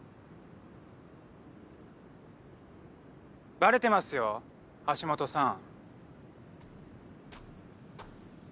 バレてますよ橋本さん。